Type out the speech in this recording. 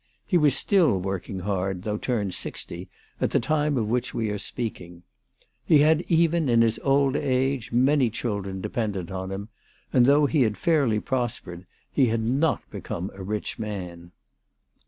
He was still working hard, though turned sixty, at the time of which we are speaking. He had even in his old age many children dependent on him, and though he had fairly prospered, he had not become a rich man.